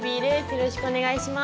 よろしくお願いします。